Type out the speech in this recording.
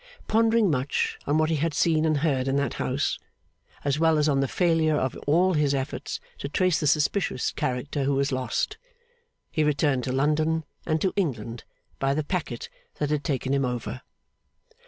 Pondering much on what he had seen and heard in that house, as well as on the failure of all his efforts to trace the suspicious character who was lost, he returned to London and to England by the packet that had taken him over.